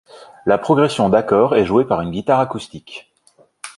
La progression d'accords est jouée par une guitare acoustique.